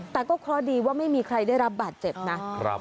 แต่ก็เคราะห์ดีว่าไม่มีใครได้รับบาดเจ็บนะ